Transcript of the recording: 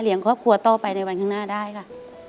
ครอบครัวต่อไปในวันข้างหน้าได้ค่ะ